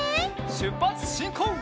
しゅっぱつしんこう！